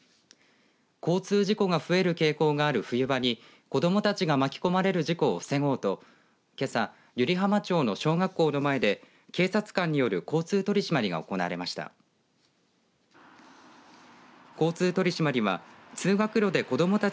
交通事故が増える傾向がある冬場に子どもたちが巻き込まれる事故を防ごうとけさ、湯梨浜町の小学校の前で警察官による交通取締りが行われました。